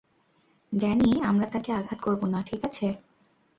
Danny, আমরা তাকে আঘাত করবো না, ঠিক আছে?